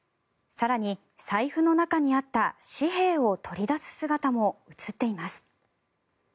更に、財布の中にあった紙幣を取り出す姿も映っています。